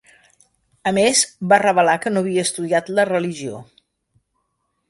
A més, va revelar que no havia estudiat la religió.